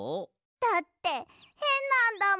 だってへんなんだもん。